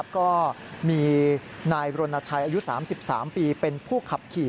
ก็มีนายรณชัยอายุ๓๓ปีเป็นผู้ขับขี่